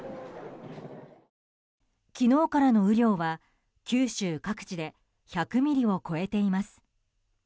昨日からの雨量は九州各地で１００ミリを超えています。